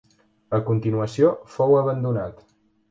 A continuació, fou abandonat.